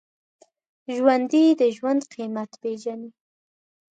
ژوندي د ژوند قېمت پېژني